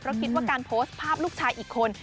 เพราะคิดว่าการโพสต์ภาพลูกชายอีกคน